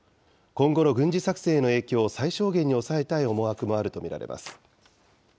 今後の軍事作戦への影響を最小限に抑えたい思惑もあると見られます。